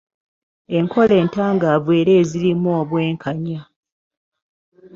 Enkola entangaavu era ezirimu obwenkanya.